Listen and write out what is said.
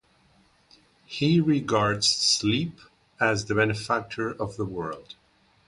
He regards sleep as the benefactor of the world.